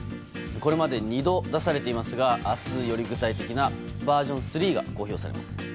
これまで２度出されていますが明日、より具体的なバージョン３が公表されます。